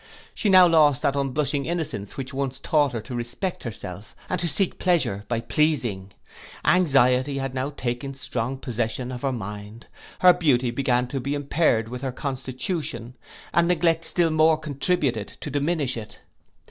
She now lost that unblushing innocence which once taught her to respect herself, and to seek pleasure by pleasing. Anxiety now had taken strong possession of her mind, her beauty began to be impaired with her constitution, and neglect still more contributed to diminish it.